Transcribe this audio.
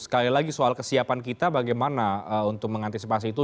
sekali lagi soal kesiapan kita bagaimana untuk mengantisipasi itu